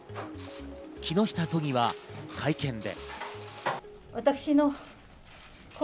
木下都議は会見で。